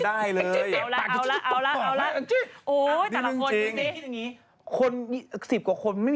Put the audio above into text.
ข้าวใส่ข้าว